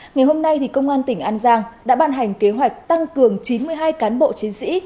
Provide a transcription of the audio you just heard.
ngày hôm nay công an tỉnh an giang đã ban hành kế hoạch tăng cường chín mươi hai cán bộ chiến sĩ